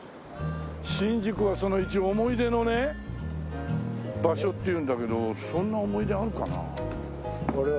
新宿はその一応思い出のね場所っていうんだけどそんな思い出あるかなあ。